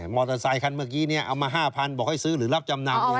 อเตอร์ไซคันเมื่อกี้เอามา๕๐๐บอกให้ซื้อหรือรับจำนำ